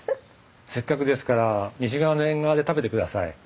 せっかくですから西側の縁側で食べてください。